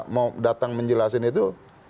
mau datang menjelasin itu